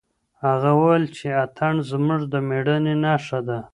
هغه وویل چې اتڼ زموږ د مېړانې نښه ده.